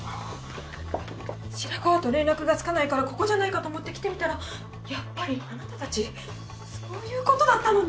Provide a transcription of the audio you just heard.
白川と連絡がつかないからここじゃないかと思って来てみたらやっぱりあなたたちそういうことだったのね。